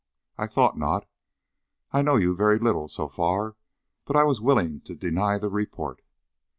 "I thought not. I know you very little, so far, but I was willing to deny the report."